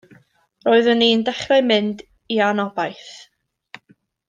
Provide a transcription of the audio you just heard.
Roeddwn i yn dechrau mynd i anobaith.